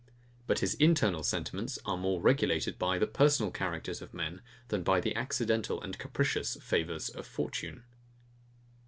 But his internal sentiments are more regulated by the personal characters of men, than by the accidental and capricious favours of fortune.